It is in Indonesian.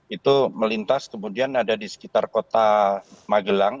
itu melintas kemudian ada di sekitar kota magelang